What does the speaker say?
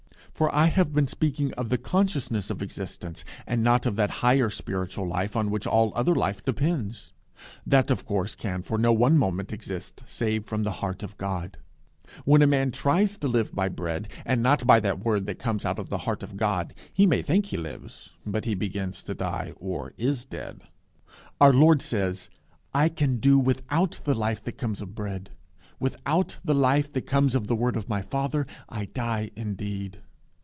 For I have been speaking of the consciousness of existence, and not of that higher spiritual life on which all other life depends. That of course can for no one moment exist save from the heart of God. When a man tries to live by bread and not by the word that comes out of that heart of God, he may think he lives, but he begins to die or is dead. Our Lord says, "I can do without the life that comes of bread: without the life that comes of the word of my Father, I die indeed."